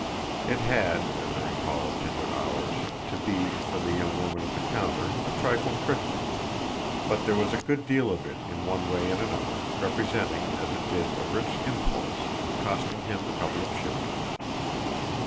It had, as a recall of tender hours, to be, for the young woman at the counter, a trifle cryptic; but there was a good deal of it in one way and another, representing as it did a rich impulse and costing him a couple of shillings.